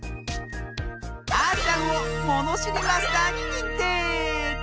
あーちゃんをものしりマスターににんてい！